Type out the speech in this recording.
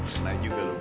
selain juga lo boy